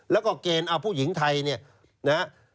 แล้วก็เกณฑ์เอาผู้หญิงไทยเนี่ยนะฮะ